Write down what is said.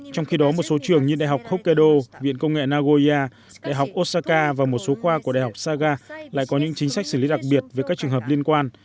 trong khi đó một số trường như đại học hokkaido viện công nghệ nagoya đại học osaka và một số khoa của đại học saga lại có những chính sách xử lý đặc biệt với các trường hợp liên quan